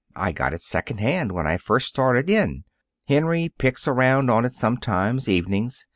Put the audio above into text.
I got it second hand when I first started in. Henry picks around on it sometimes, evenings.